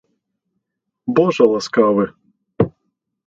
Божа ласкавы!..